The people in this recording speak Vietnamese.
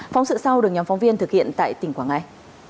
phóng sự sau được nhóm phóng viên thực hiện tại tỉnh quảng ngãi